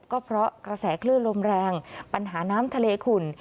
ก็เพราะกระแสคลื่นลมแรงปัญหาน้ำทะเลขุ่น